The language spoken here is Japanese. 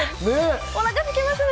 お腹すきますね。